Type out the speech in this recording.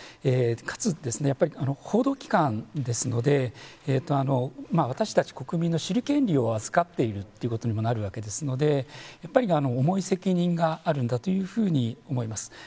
かつ、報道機関ですので私たち国民の知る権利を預かっているということにもなるわけですのでやっぱり重い責任があるんだというふうに思います。